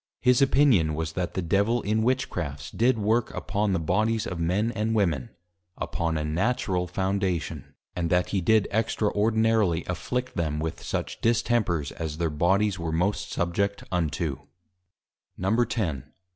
His Opinion was, that the Devil in Witchcrafts, did Work upon the Bodies of Men and Women, upon a Natural Foundation; and that he did Extraordinarily afflict them, with such Distempers as their Bodies were most subject unto. _X.